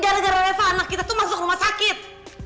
gara gara eva anak kita tuh masuk rumah sakit